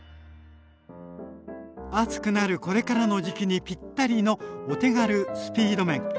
暑くなるこれからの時期にぴったりのお手軽スピード麺。